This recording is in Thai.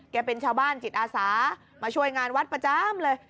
เป็นชาวบ้านจิตอาสามาช่วยงานวัดประจำเลย